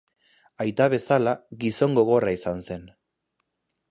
Aita bezala, gizon gogorra izan zen.